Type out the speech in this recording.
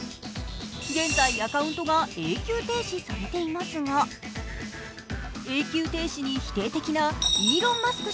現在、アカウントが永久停止されていますが永久停止に否定的なイーロン・マスク